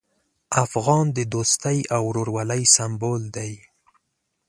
افغان د دوستي او ورورولۍ سمبول دی.